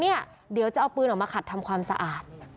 เดี๋ยวจะเอาปืนออกมาขัดทำความสะอาด